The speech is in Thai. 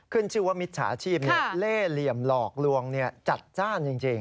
ขึ้นชื่อว่ามิจฉาชีพเล่เหลี่ยมหลอกลวงจัดจ้านจริง